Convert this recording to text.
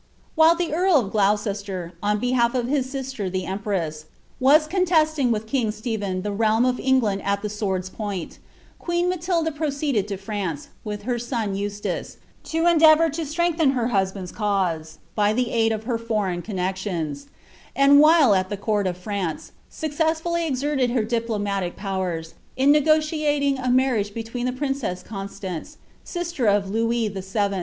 While the earl of Gloucester, on behalf of his sister the empress, was contesting with king Stephen the realm of England at the sword's point, queen Matilda procapded to France, with her son Eustace, to endeavour to strengthen her husband's cause by the aid of her foreign connexions ; and« while at the court of France, successfully exerted her diplomatic powers in negotiating a marriage between the princess Constance, sister of Louis VII.